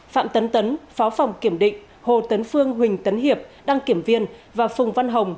phạm tấn phó phòng kiểm định hồ tấn phương huỳnh tấn hiệp đăng kiểm viên và phùng văn hồng